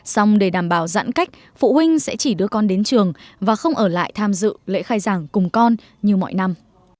xong để đảm bảo giãn cách phụ huynh sẽ chỉ đưa con đến trường và không ở lại tham dự lễ khai giảng cùng con như mọi năm